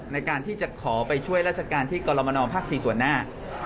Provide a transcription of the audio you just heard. ในการที่จะขอไปช่วยราชการที่กรมนภ๔ส่วนหน้า